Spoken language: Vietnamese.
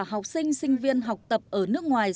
học sinh sinh viên học tập ở nước ngoài